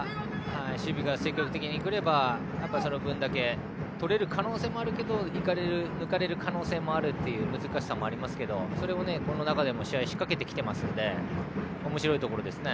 守備が積極的にくればその分だけとれる可能性もあるけど抜かれる可能性もあるという難しさもありますけど試合の中で仕掛けているのでおもしろいところですよね。